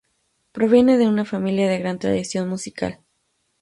Proviene de una familia de gran tradición musical.